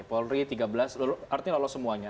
polri tiga belas artinya lolos semuanya